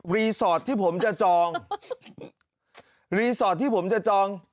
รีสอร์ทที่ผมจะจองรีสอร์ทที่ผมจะจอง